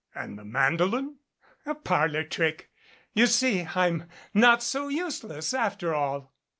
"And the mandolin?" "A parlor trick. You see, I'm not so useless, after all."